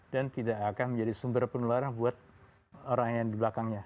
dan tidak akan menjadi sumber penularan buat orang yang di belakangnya